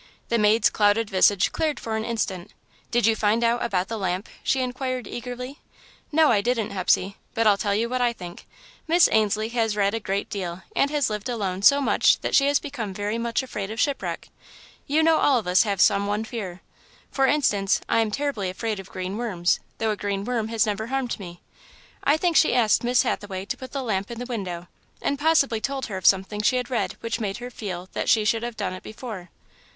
The maid's clouded visage cleared for an instant. "Did you find out about the lamp?" she inquired, eagerly. "No, I didn't, Hepsey; but I'll tell you what I think. Miss Ainslie has read a great deal and has lived alone so much that she has become very much afraid of shipwreck. You know all of us have some one fear. For instance, I am terribly afraid of green worms, though a green worm has never harmed me. I think she asked Miss Hathaway to put the lamp in the window, and possibly told her of something she had read which made her feel that she should have done it before."